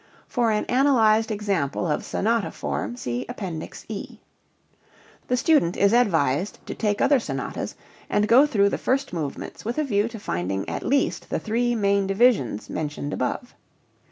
For an analyzed example of sonata form, see Appendix E. The student is advised to take other sonatas and go through the first movements with a view to finding at least the three main divisions mentioned above.